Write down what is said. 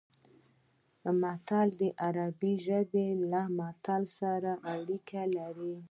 متل د عربي ژبې له مثل سره اړیکه لري